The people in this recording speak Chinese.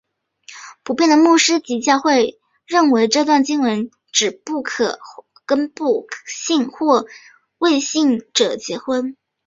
普遍的牧师及教会认为这段经文指不可跟不信或未信者结婚。